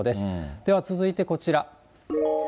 では続いてこちら。